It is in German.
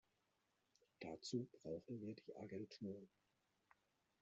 Dazu brauchen wir die Agentur.